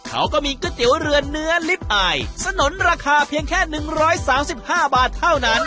เขาก็มีก๋วยเตี๋ยวเรือเนื้อลิฟต์อายสนุนราคาเพียงแค่๑๓๕บาทเท่านั้น